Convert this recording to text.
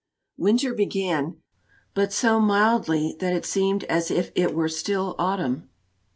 Winter began; but so mildly that it seemed as if it were still autumn.